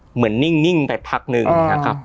เหมือนนิ่งนิ่งไปพักหนึ่งนะครับอืม